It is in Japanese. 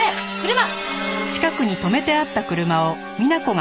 車！